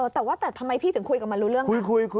แต่ว่าแต่ทำไมพี่ถึงคุยกับมันรู้เรื่องนี้